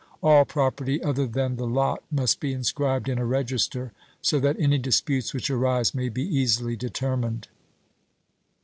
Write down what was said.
All property other than the lot must be inscribed in a register, so that any disputes which arise may be easily determined.